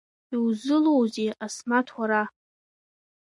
Иузлылоузеи Асмаҭ уара?